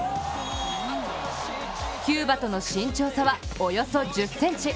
キューバとの身長差はおよそ１０ｃｍ。